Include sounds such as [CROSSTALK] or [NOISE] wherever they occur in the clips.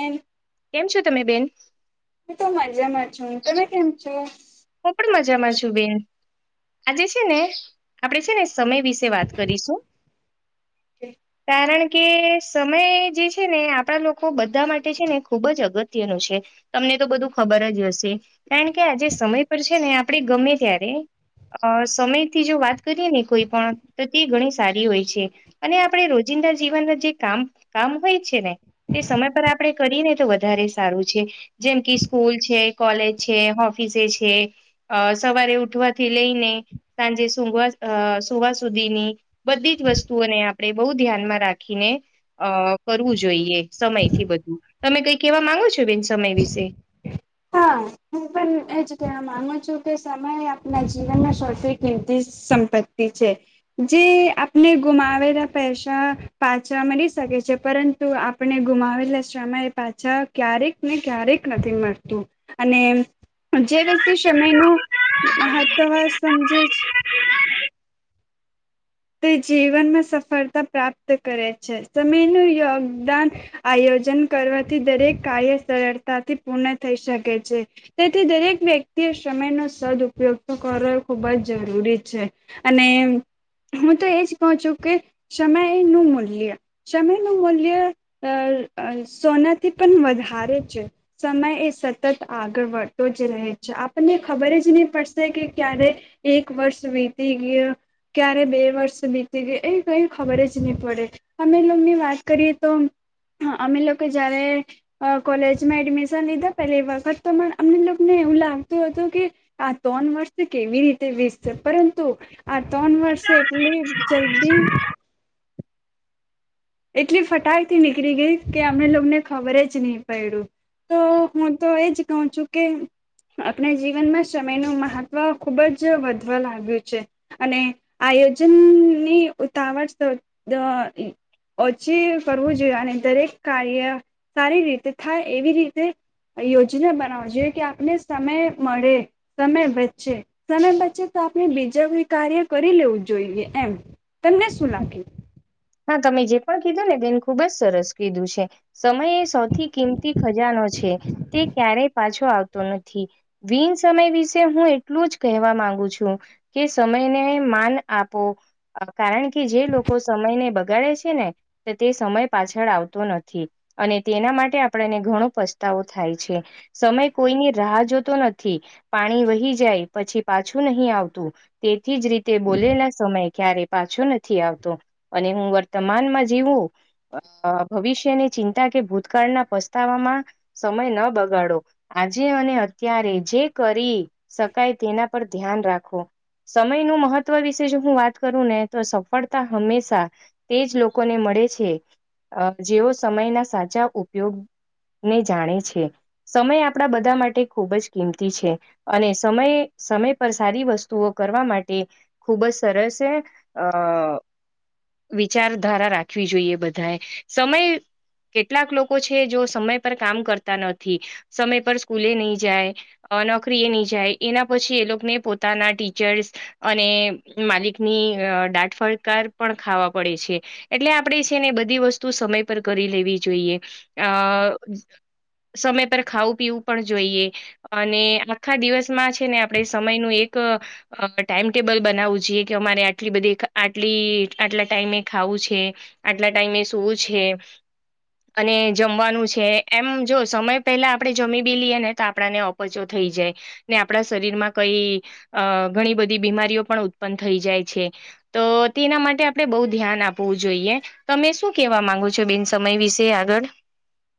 એમ. કેમ છો તમે બેન? હું તો મજામાં છું. તમે કેમ છો? હું પણ મજામાં છું બેન. આજે છે ને, આપડે છે ને સમય વિશે વાત કરીશું. કારણ કે સમય જે છે ને એ આપણા લોકો બધા માટે છે ને ખુબ જ અગત્ય નું છે. તમને તો બધું ખબર જ હશે, કારણ કે આજે સમય પર છે ને આપણે ગમે ત્યારે અહ સમયથી જો વાત કરીએ ને કોઈ પણ તો તે ઘણી સારી હોય છે. અને આપણેે રોજિંદા જીવનના જે કામ-કામ હોય છે ને તે સમય પર આપણેે કરી ને તો વધારે સારું છે. જેમ કે સ્કૂલ છે, કોલેજ છે, ઓફિસે છે અહ સવારે ઉઠવાથી લઈને, સાંજે સુંઘવા સુવા સુધીની બધી જ વસ્તુઓને આપણે બહુ ધ્યાનમાં રાખીને અહ કરવું જોઈએ, સમયથી બધું. તમે કંઈ કહેવા માંગો છો બેન સમય વિશે? [INAUDIBLE] એ જ કે માનું છું કે સમય આપના જીવનમાં સથી કિંતી સંપત્તિ છે જે આપને ગુમાવેલા પૈસા પાછા મળી શકે છે પરંતુ આપણે ગુમાવેલા શામાં એ પાછા ક્યારેક ને ક્યારેક નથી મળતું. અને જે વ્યક્તિ સમય નું મહત્વ સમજે છ તે જીવનમાં સફળતા પ્રાપ્ત કરે છે. સમયનું યોગદાન આયોજન કરવાથી દરેક કાર્ય સરળતાથી પૂર્ણ થઈ શકે છે. તેથી દરેક વ્યક્તિએ સમયનો સદ્ઉપયોગ તો કરવો ખૂબ જ જરૂરી છે. અને હું તો એજ કહ છું કે સમય નું મૂલ્ય સમયનું મૂલ્ય અ સોનાથી પણ વધારે છે સમય એ સતત આગળ વધળતો જ રહે છે આપણને ખબર જ નહીં પડશે કે ક્યારે એક વર્ષ વીતી ગયા ક્યારે બે વર્ષ નીકળી ગઈ એ કઈ ખબર જ નહી પડે અમે લોકોની વાત કરીએ તો અમે લોકો જયારે અ કોલેજમાં એડમિશન લીધા પેલી વખત તો અમને લોકોને એવું લાગતું હતું કે આ ત્રણ વર્સે કેવી રીતે વીસશે પરંતુ આ ત્રણ વર્ષે એટલી જલ્દી એટલી ફટાક થી નીકળી ગઈ કે અમને લોકોને ખબર જ નહી પડડ્યું તો હું તો એજ કહ છું કે આપણા જીવનમાં સમયનું મહત્વ ખુબ જ વધવા લાગ્યું છે અને આયોજનની ઉતાવળ ઓછી કરવું જોઈએ અને દરેક કાર્ય સારી રીતે થાય એવી રીતે યોજના બનાવ જોઈએ કે આપને સમય મળે સમય બચચે સમય બચચે તો આપણે બીજા કો કાર્ય કરી લેવું જોઈએ એમ તને [UNINTELLIGIBLE] લખી હા તમે જે પણ કીધું ને તેને ખુબ જ સરસ કીધું છે સમય એ સૌથી કિંમતી ખજાનો છે તે ક્યારેય પાછો આવતો નથી [UNINTELLIGIBLE] સમય વિશે હું એટલું જ કહેવા માંગુ છું કે સમયને માન આપો કારણ કે જે લોકો સમયને બગાડે છે ને તો તે સમય પાછળ આવતો નથી અને તેના માટે આપણને ઘણો પસ્તાવો થાય છે સમય કોઈની રાહ જોતો નથી પાણી વહી જાય પછી પાછું નહી આવતું તેથી જ રીતે બોલેલા સમય ક્યારે પાછો નથી આવતો અને હું વર્તમાનમાં જીવું [UNINTELLIGIBLE] ભવિષ્યની ચિંતા કે ભૂતકાળના પસ્તાવામાં સમય ન બગાડો આજે અને અત્યારે જે કરી શકાય તેના પર ધ્યાન રાખો સમયનું મહત્વ વિશે જો હું વાત કરું ને તો સફળતા હંમેશા તે જ લોકોને મળે છે જેઓ સમયના સાચા ઉપયોગ ને જાણે છે સમય આપણા બધા માટે ખૂબ જ કિંમતી છે અને સમય સમય પર સારી વસ્તુઓ કરવા માટે ખુબ જ સરસ છે [UNINTELLIGIBLE] વિચારધારા રાખવી જોઈએ બધાએ સમય કેટલાક લોકો છે જો સમય પર કામ કરતા નથી સમય પર [UNINTELLIGIBLE] નહી જાય અ નોકરી એ નહી જાય એના પછી એ લોકોને પોતાના [UNINTELLIGIBLE] અને માલિકની દાટફડકાર પણ ખાવા પડે છે એટલે આપણે છે ને બધી વસ્તુ સમય પર કરી લેવી જોઈએ [UNINTELLIGIBLE] સમય પર ખાવું પીવું પણ જોઈએ અને આખા દિવસમાં છે ને આપડણે સમય ન એક ટાઈમ ટેબલ બનાવવું જોઈએ કે અમારે આટલી બધી આટલી આટલા ટાઈમે ખાવું છે આટલા ટાઈમે [UNINTELLIGIBLE] છે અને જમવાનું છે એમ જો સમય પહેલા [UNINTELLIGIBLE] જમી બી લઈએ ને તો આપણાને [UNINTELLIGIBLE] થઈ જાય ને આપણા શરીર માં કઈ અ ઘણી બધી બીમારીઓ પણ ઉત્પન્ન થઈ જાય છે તો તેના [INAUDIBLE] આપણે બહુ ધ્યાન આપવું જોઈએ તમે શું કેવા માંગો છો બિન સમય વિશે આગળ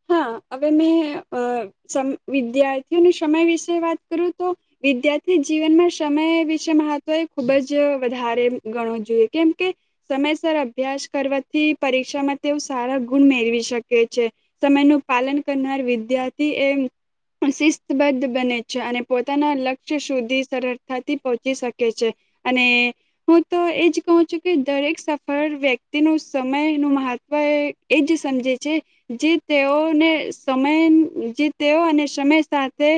હા હવે મેં [UNINTELLIGIBLE] વિદ્યાર્થીઓને સમય વિશે વાત કરું તો વિદ્યાર્થી જીવનમાં સમય વિશે મહત્વ એ ખૂબ જ વધારે ગણવું જોઈએ કેમ કે સમયસર અભ્યાસ કરવાથી પરીક્ષામાં તેઓ સારા ગુણ મેળવી શકે છે સમય નું પાલન કરનાર વિદ્યાર્થી એમ [UNINTELLIGIBLE] બને છે અને પોતાના લક્ષ્ય સુધી સરળતાથી પહોંચી શકે છે અને હું તો એજ કહ છું કે દરેક સફળ વ્યક્તિ ન સમય નું મહત્વ એજ સમજે છે જે તેઓને સમય [UNINTELLIGIBLE] તેઓ અને સમય સાથે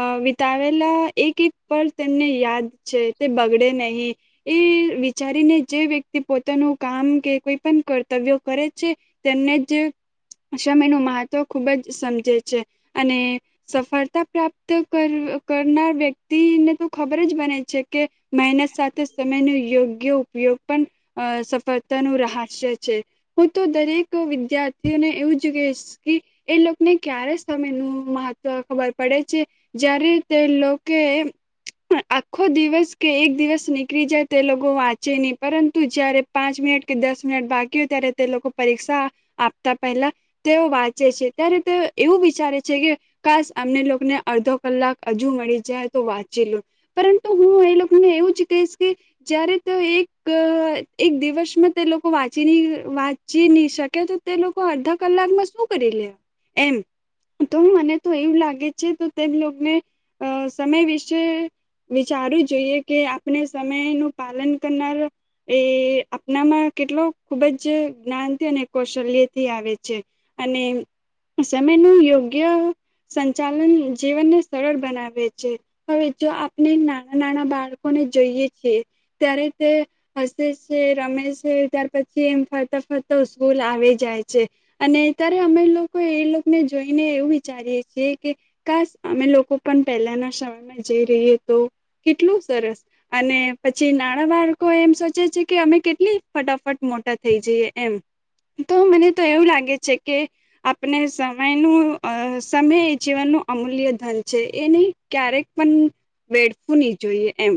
અ વિતાવેલા એક એક [UNINTELLIGIBLE] તેમને યાદ છે તે બગડે નહીં એ વિચારીને જે વ્યક્તિ પોતાનું કામ કે કોઈ પણ કર્તવ્ય કરે છે તેમને જ [UNINTELLIGIBLE] એનું મહત્વ ખૂબ જ સમજે છે અને સફળતા પ્રાપ્ત કરનાર [UNINTELLIGIBLE] વ્યક્તિ ને તો ખબર જ બને છે કે મહેનત સાથે સમય ન યોગ્ય ઉપયોગ પણ અ સફળતાનું [UNINTELLIGIBLE] છે હું તો દરેક વિદ્યાર્થીઓને એવું જ એ લોકોને ક્યારે સમય ન મહત્વ ખબર પડે છે [UNINTELLIGIBLE] રીતે લોકો આખો દિવસ કે એક દિવસ નીકળી જાય તે લોકો વાંચે ન પરંતુ [UNINTELLIGIBLE] પાંચ મિનિટ કે દસ મિનિટ બાકી હોય ત્યારે તે લોકો પરીક્ષા આપતા પહેલા તેઓ વાંચે છે ત્યારે તેઓ એવું વિચારે છે કે ખાસ અમને લોકોને અડધો કલાક હજુ મળી જાય તો વાંચી લો પરંતુ હું એ લોકોને એવું જ કહીશ કે જયારે તો એક એક દિવસમાં તે લોકો વાંચી ન વાંચી નહી શકે તો તે લોકો અડધા કલાકમાં શું કરી લે એમ તો મને તો એવું લાગે છે તો તેને અ સમય વિશે વિચારવું જોઈએ કે આપણે સમય નું પાલન કરનાર એ આપનામાં કેટલો ખુબ જ જ્ઞાનથી અને કૌશલ્ય થી આવે છે છે અને સમય નું યોગ્ય સંચાલન જીવનને સરળ બનાવે છે હવે જો આપણે નાના નાના બાળકોને જોઈએ છીએ ત્યારે તે હસે છે રમે છે ત્યાર પછી એમ ફરતા ફરતા સ્કૂલ આવી જાય છે અને ત્યારે અમે લોકો એ લોકોને જોઈને એવું વિચારીએ છીએ કે ખાસ અમે લોકો પણ પહેલાના સમયમાં જઈ રહીએ તો કેટલું સરસ અને પછી નાણાં બાળકો એમ સોચે છે કે અમે કેટલી ફટાફટ મોટા થઈ જઈએ એમ તો મને તો એવું લાગે છે કે આપણે સમય ન સમય એ જીવનનું અમૂલ્ય ધન છે એ નહી ક્યારેક પણ વેડવું નહી જોઈએ એમ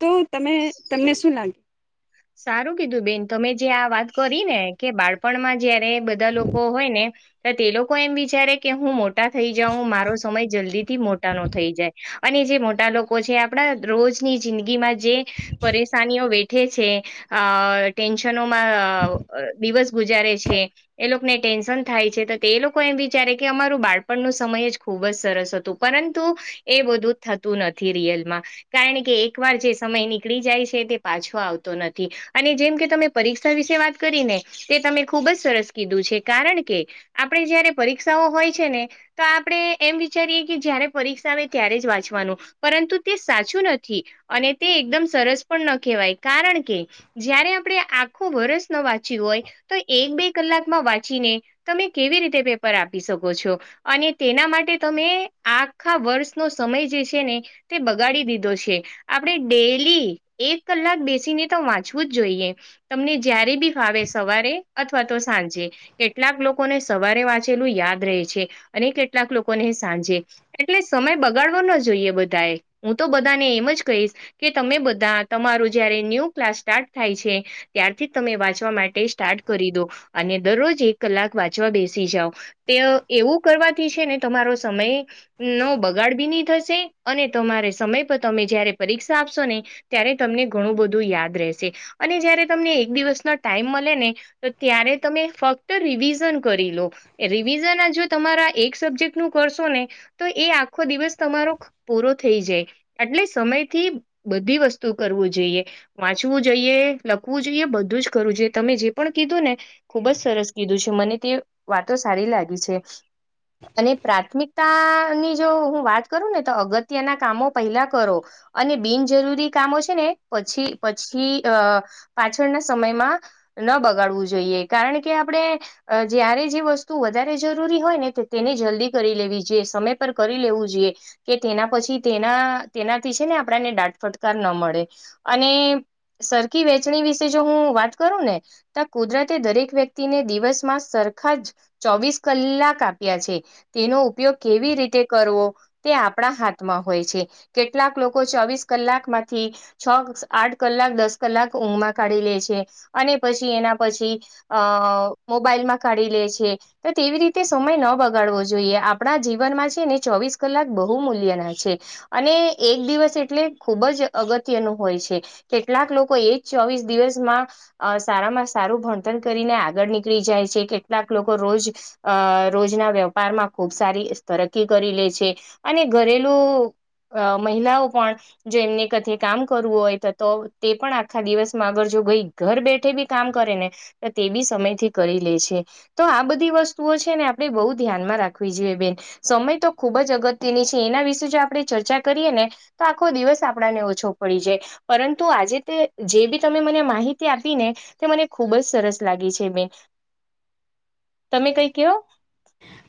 તો તમે તમને શું લાગે સારું કીધું બેન તમે જે આ વાત કરી ને કે બાળ પણમાં જ્યારે બધા લોકો હોય ને તો તે લોકો એમ વિચારે કે હું મોટા થઈ જાઉં મારો સમય જલ્દી થી મોટા ન થઈ જાય અને જે મોટા લોકો છે આપણા રોજની જિંદગીમાં જે પરેશાનીઓ વેઠે છે અ ટેન્શનોમાં દિવસ ગુજારે છે એ લોકોને ટેન્શન થાય છે તો તે એ લોકો એમ વિચારે કે અમારું બાળપણ નું સમય જ ખુબ જ સરસ હતું પરંતુ એ બધું થતું નથી રિયલમાં કારણ કે એક વાર જે સમય નીકળી જાય છે તે પાછો આવતો નથી અને જેમ કે તમે પરીક્ષા વિશે વાત કરી ને તે તમે ખુબ જ સરસ કીધું છે કારણ કે આપણે જયારે પરીક્ષાઓ હોય છે ને તો આપણે એમ વિચારીએ કે જયારે પરીક્ષા આવે ત્યારે જ વાંચવાનું પરંતુ તે સાચું નથી અને તે એકદમ સરસ પણ ન કહેવાય કારણ કે જયારે આપણે આખો વર્ષ ન વાંચ્યું હોય તો એક બે કલાકમાં વાંચીને તમે કેવી રીતે પેપર આપી શકો છો અને તેના માટે તમે આખા વર્ષનો સમય જે છે ને તે બગાડી દીધો છે આપડે ડેલી એક કલાક બે છી ને તો વાંચવું જ જોઈએ તમને જયારે બી ફાવે સવારે અથવા તો સાંજે કેટલાક લોકોને સવારે વાંચેલું યાદ રહે છે અને કેટલાક લોકોને સાંજે એટલે સમય બગાડવો ન જોઈએ બધા એ હું તો બધાને એમ જ કહીશ કે તમે બધા તમારું જયારે ન્યૂ ક્લાસ સ્ટાર્ટ થાય છે ત્યારથી જ તમે વાંચવા માટે સ્ટાર્ટ કરી દો અને દરરોજ એક કલાક વાંચવા બેસી જાઓ તે એવું કરવાથી છે ને તમારો સમય નો બગાડ બી ની થશે અને તમારે સમય પર તમે જયારે પરીક્ષા આપશો ને ત્યારે તમને ઘણું બધું યાદ રહેશે અને જયારે તમને એક દિવસનો ટાઈમ મલે ને તો ત્યારે તમે ફક્ત રિવિઝન કરી લો રિવિઝન હજુ તમારા એક સબ્જેક્ટ નું કરશો ને તો એ આખો દિવસ તમારો પૂરો થઈ જાય એટલે સમય થી બધી વસ્તુ કરવું જોઈએ વાંચવું જોઈએ લખવું જોઈએ બધું જ કરવું જોઈએ તમે જે પણ કીધું ને ખુબ જ સરસ કીધું છે મને તે વાતો સારી લાગી છે અને પ્રાથમિકતા ની જો હું વાત કરું ને તો અગત્યના કામો પહેલા કરો અને બિનજરૂરી કામો છે ને પછી પછી અ પાછળના સમયમાં ના બગાડવું જોઈએ કારણ કે આપડે અ જ્યારે જે વસ્તુ વધારે જરૂરી હોય ને તેને જલ્દી કરી લેવી જોઈએ સમય પર કરી લેવું જોઈએ કે તેના પછી તેના તેનાથી છે ને આપડાને ડાંટફટકાર ન મળે અને સરખી વેચણી વિશે જો હું વાત કરું ને ત કુદરતે દરેક વ્યક્તિને દિવસમાં સરખા જ ચોવીસ કલાક આપ્યા છે તેનો ઉપયોગ કેવી રીતે કરવો તે આપડા હાથમાં હોય છે કેટલાક લોકો ચોવીસ કલાકમાંથી છ આઠ કલાક દસ કલાક ઊંઘમાં કાઢી લે છે અને પછી એના પછી અ મોબાઈલમાં કાઢી લે છે તો તેવી રીતે સમય ન બગાડવો જોઈએ આપડા જીવનમાં છે ને ચોવીસ કલાક બહુ મૂલ્યના છે અને એક દિવસ એટલે ખુબ જ અગત્યનું હોય છે કેટલાક લોકો એજ ચોવીસ દિવસમાં અ સારામાં સારું ભણતણ કરીને આગળ નીકળી જાય છે કેટલાક લોકો રોજ અ રોજના વેપારમાં ખુબ સારી તરકી કરી લે છે અને ઘરેલુ મહિલાઓ પણ જો એમને કથે કામ કરવું હોય ત તો તે પણ આખા દિવસમાં અગર જો ગઈ ઘર બેઠે બી કામ કરે ને તો તે બી સમયથી કરી લે છે તો આ બધી વસ્તુઓ છે ને આપડે બહુ ધ્યાનમાં રાખવી જોઈએ બેન સમય તો ખુબ જ અગત્યની છે એના વિશે જો આપડે ચર્ચા કરીએ ને તો આખો દિવસ આપણને ઓછો પડી જાય પરંતુ આજે તે જે બી તમે મને માહિતી આપી ને તે મને ખુબ જ સરસ લાગી છે બેન તમે કઈ કયો.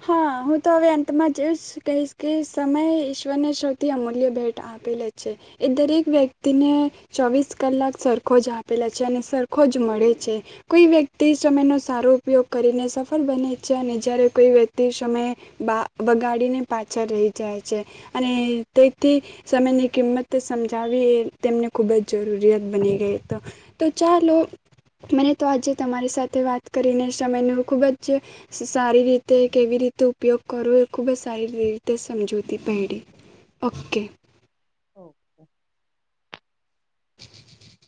હા હું તો હવે અંતમાં જવું જ કહીશ કે સમયે ઈશ્વરને સૌથી અમૂલ્ય ભેટ આ આપેલો છે એ દરેક વ્યક્તિને ચોવીસ કલાક સરખો જ આપેલા છે અને સરખો જ મળે છે. કોઈ વ્યક્તિ સમય ન સારો ઉપયોગ કરીને સફળ બને છે અને જયારે કોઈ વ્ય તે સમયે બા બગાડીને પાછળ રહી જાય છે અને તેથી સમયની કિંમત સમજાવી તેમને ખૂબ જ જરૂરિયાત બની ગઈ તો તો ચાલો મને તો આજે તમારી સાથે વાત કરીને સમયનું ખૂબ જ સારી રીત તે કેવી રીતે ઉપયોગ કરવો એ ખૂબ જ સારી રીતે સમજૂતી પાયડી ઓકે [UNINTELLIGIBLE]